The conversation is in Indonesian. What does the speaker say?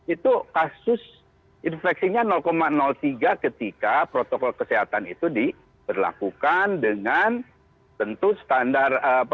itu kasus infeksinya tiga ketika protokol kesehatan itu diberlakukan dengan tentu standar